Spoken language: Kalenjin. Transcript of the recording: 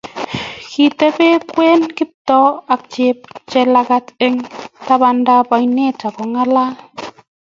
kitebi ng'weny Kiptoo ak Jelagat eng tabandab oinet ak kong'alal